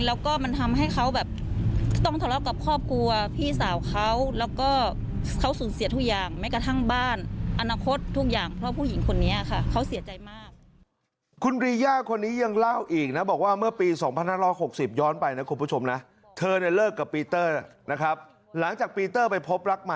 แล้วก็มันทำให้เขาแบบต้องทะเลาะกับครอบครัวพี่สาวเขา